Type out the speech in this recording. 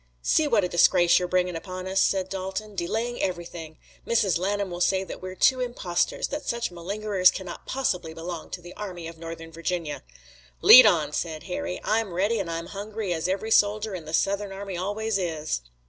"See what a disgrace you're bringing upon us," said Dalton. "Delaying everything. Mrs. Lanham will say that we're two impostors, that such malingerers cannot possibly belong to the Army of Northern Virginia." "Lead on," said Harry. "I'm ready, and I'm hungry as every soldier in the Southern army always is."